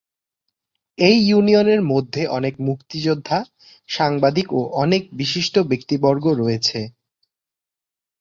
এই ইউনিয়নের মধ্যে অনেক মুক্তিযোদ্ধা, সাংবাদিক, ও অনেক বিশিষ্ট ব্যক্তি বর্গ রয়েছে।